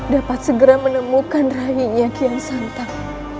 dapat segera menemukan rahinya kian santam